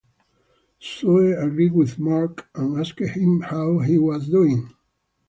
Zoe agreed with Mark and asked him how he was doing.